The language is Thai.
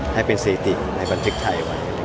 ให้เป็นเศรษฐีในบันทึกไทย